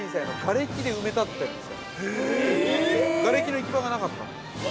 瓦れきの行き場がなかった。